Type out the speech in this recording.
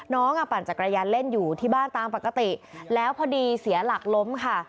อ่ะปั่นจักรยานเล่นอยู่ที่บ้านตามปกติแล้วพอดีเสียหลักล้มค่ะ